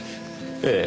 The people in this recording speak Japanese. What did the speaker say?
ええ。